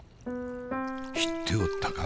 知っておったか？